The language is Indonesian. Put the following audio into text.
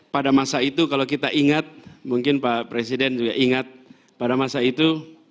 pada masa itu kalau kita ingat mungkin pak presiden juga ingat pada masa itu